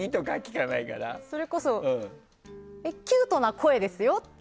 それこそキュートな声ですよって。